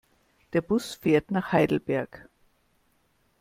Der Bus fährt nach Heidelberg